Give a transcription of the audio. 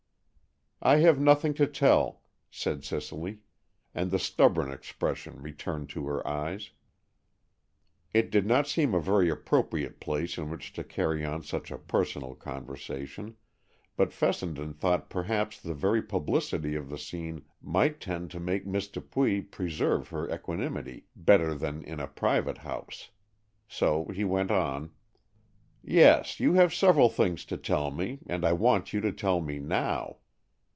"I have nothing to tell," said Cicely, and the stubborn expression returned to her eyes. It did not seem a very appropriate place in which to carry on such a personal conversation, but Fessenden thought perhaps the very publicity of the scene might tend to make Miss Dupuy preserve her equanimity better than in a private house. So he went on: "Yes, you have several things to tell me, and I want you to tell me now.